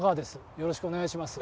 よろしくお願いします。